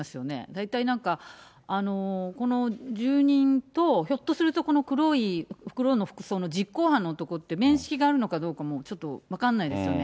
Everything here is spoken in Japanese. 大体なんか、この住人と、ひょっとすると、この黒の服装の実行犯の男って面識があるのかどうかもちょっと分かんないですよね。